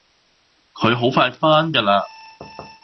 佢好快返㗎啦